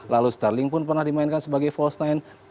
lalu sterling pun pernah dimainkan sebagai false nine